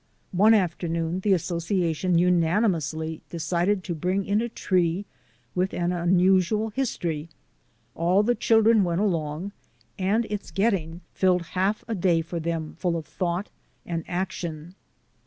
One afternoon the association unani i 7 2 THE ADVENTURES OF A NATURE GUIDE mously decided to bring in a tree with an unusual history. All the children went along and its getting filled half a day for them full of thought and action.